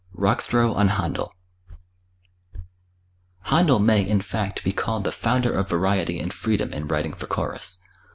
Rockstro on Händel. Händel may in fact be called the founder of variety and freedom in writing for chorus.